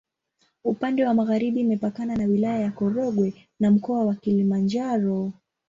Upande wa magharibi imepakana na Wilaya ya Korogwe na Mkoa wa Kilimanjaro.